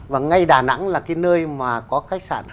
và ngay đà nẵng là cái nơi mà có khách sạn